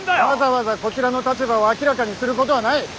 わざわざこちらの立場を明らかにすることはない。